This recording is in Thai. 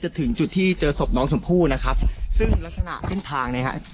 ถึงจุดที่เจอศพน้องชมพู่นะครับซึ่งลักษณะเส้นทางเนี่ยฮะ